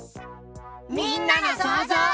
みんなのそうぞう。